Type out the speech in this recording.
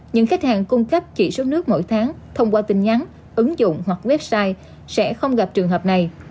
những khách hàng cung cấp chỉ số nước mỗi tháng thông qua tin nhắn ứng dụng hoặc website sẽ không gặp trường hợp này